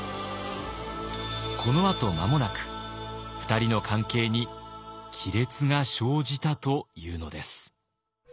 このあと間もなく２人の関係に亀裂が生じたというのです。